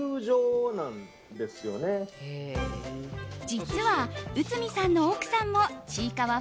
実は内海さんの奥さんも「ちいかわ」